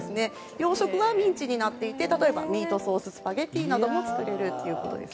洋食はミンチになっていて例えばミートソーススパゲティも作れるということです。